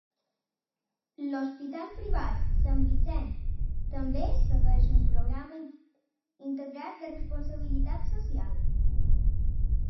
L'hospital privat Sant Vicent també segueix un programa integrat de responsabilitat social.